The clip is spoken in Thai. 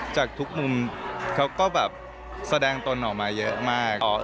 จากทุกมุมเขาก็แบบแสดงตนออกมาเยอะมาก